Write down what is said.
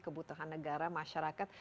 kebutuhan negara masyarakat